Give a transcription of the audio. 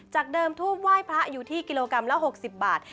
เดิมทูบไหว้พระอยู่ที่กิโลกรัมละ๖๐บาท